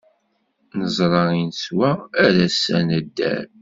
Neẓra i neswa, ar ass-a nedder.